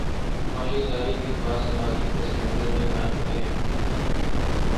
معاشی ادارے بھی خاص سماجی پس منظر میں قائم ہوتے ہیں۔